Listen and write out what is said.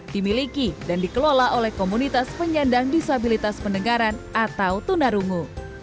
dimiliki dan dikelola oleh komunitas penyandang disabilitas pendengaran atau tunarungu